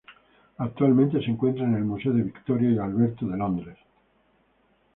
Actualmente se encuentra en el Museo de Victoria y Alberto de Londres.